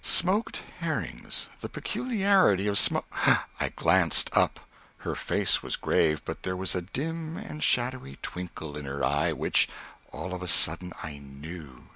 Smoked herrings. The peculiarity of smo.... I glanced up. Her face was grave, but there was a dim and shadowy twinkle in her eye which All of a sudden I knew!